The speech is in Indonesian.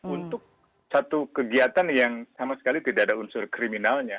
untuk satu kegiatan yang sama sekali tidak ada unsur kriminalnya